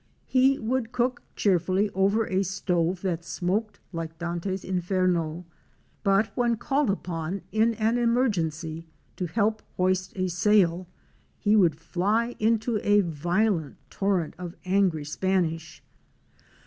He would cook cheerfully over a stove that smoked like Dante's Inferno, but when called upon in an emergency to help hoist a sail, he would fly into a violent torrent of angry Spanish.